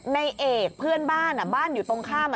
ในเอกเพื่อนบ้านบ้านอยู่ตรงข้าม